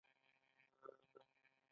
زمهریر کله هم بې واورو نه پاتې کېږي.